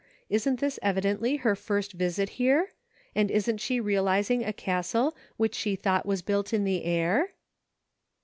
Isn't this evidently her first visit here ? and isn't she realizing a cg.stle which she thought was built in the air